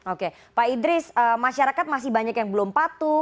oke pak idris masyarakat masih banyak yang belum patuh